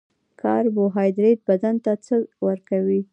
کاربوهایدریت بدن ته څه ورکوي